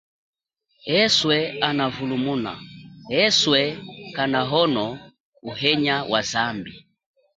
Eswe hana vulumuna, eswe kanahono uhenya wa zambi.